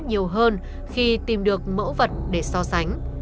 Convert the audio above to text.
nhiều hơn khi tìm được mẫu vật để so sánh